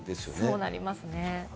そうなりますね。